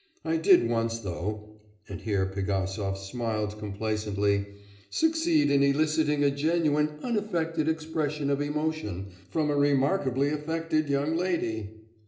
I did once though (and here Pigasov smiled complacently) succeed in eliciting a genuine, unaffected expression of emotion from a remarkably affected young lady!